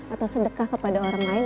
atau sedekah kepada orang lain